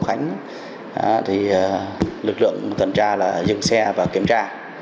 thì lực lượng tần tra là dừng xe và kiểm tra